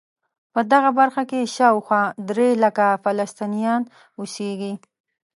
په دغه برخه کې شاوخوا درې لکه فلسطینیان اوسېږي.